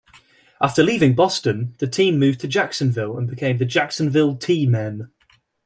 After leaving Boston, the team moved to Jacksonville and became the Jacksonville Tea Men.